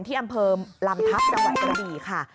ที่อำเภอลำทัพจังหวัดกระบี่ค่ะ